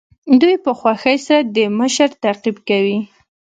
دوی په خوښۍ سره د مشر تعقیب کوي.